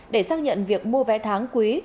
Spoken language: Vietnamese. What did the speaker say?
để xác nhận việc mua vé tháng quý